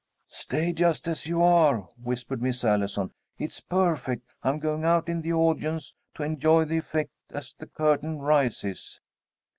"Stay just as you are," whispered Miss Allison. "It's perfect. I'm going out into the audience to enjoy the effect as the curtain rises."